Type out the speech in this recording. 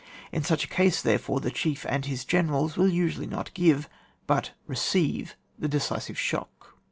In such a case, therefore, the chief and his generals will usually not give but receive the decisive shock.